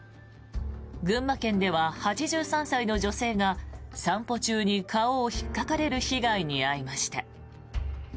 群馬県では８３歳の女性が散歩中に顔をひっかかれる被害に遭いました。